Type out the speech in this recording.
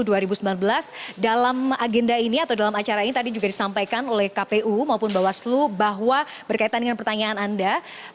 pilih sengketa pemilu dua ribu sembilan belas dalam agenda ini atau dalam acara ini tadi juga disampaikan oleh kpu maupun bawaslu bahwa berkaitan dengan pertanyaan anda